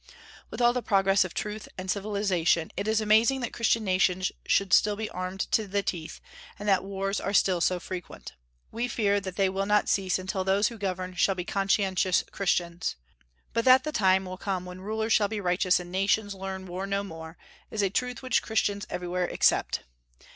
With all the progress of truth and civilization, it is amazing that Christian nations should still be armed to the teeth, and that wars are still so frequent. We fear that they will not cease until those who govern shall be conscientious Christians. But that the time will come when rulers shall be righteous and nations learn war no more, is a truth which Christians everywhere accept.